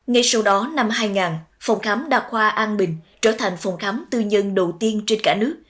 ngay sau đó năm hai nghìn phòng khám đa khoa an bình trở thành phòng khám tư nhân đầu tiên trên cả nước